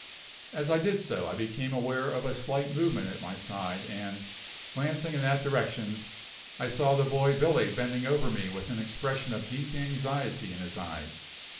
As I did so I became aware of a slight movement at my side and, glancing in that direction, I saw the boy Billy bending over me with an expression of deep anxiety in his eyes.